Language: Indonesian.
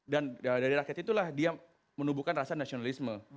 dan dari rakyat itulah dia menubuhkan rasa nasionalisme